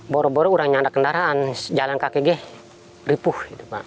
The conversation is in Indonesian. boroboro orang nyandak kendaraan jalan kkg ripuh